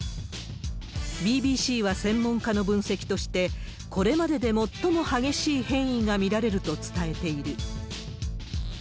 ＢＢＣは専門家の分析として、これまでで最も激しい変異が見られると伝えている。